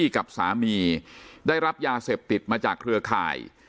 กับสามีได้รับยาเสพติดมาจากเครือข่าย